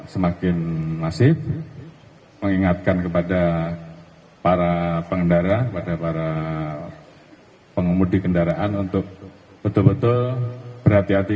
semakin masif mengingatkan kepada para pengendara kepada para pengemudi kendaraan untuk betul betul berhati hati